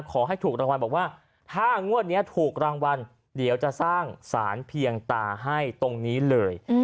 ขอให้ถูกรางวัลบอกว่าถ้างวดนี้ถูกรางวัลเดี๋ยวจะสร้างสารเพียงตาให้ตรงนี้เลย